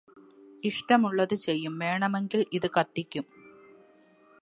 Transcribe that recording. ഇഷ്ടമുള്ളത് ചെയ്യും വേണമെങ്കില് ഇത് കത്തിക്കും